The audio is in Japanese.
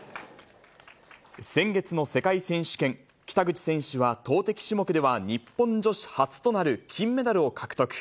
先月の世界選手権、北口選手は、投てき種目では日本女子初となる金メダルを獲得。